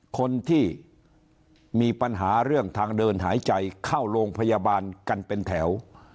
คนที่มีปัญหาเรื่องทางเดินหายใจเข้าโรงพยาบาลกันเป็นแถว